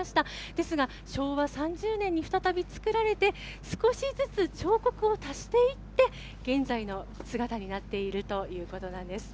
ですが、昭和３０年に再び造られて、少しずつ彫刻を足していって、現在の姿になっているということなんです。